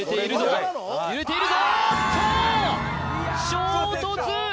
衝突！